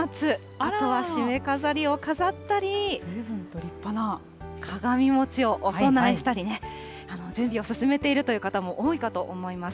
あとはしめ飾りを飾ったり、鏡餅をお供えしたりね、準備を進めているという方も多いかと思います。